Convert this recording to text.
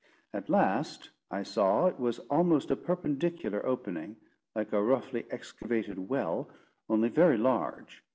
At last I saw it was almost a perpendicular opening, like a roughly excavated well, only very large.